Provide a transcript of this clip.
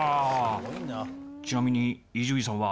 ちなみに伊集院さんは。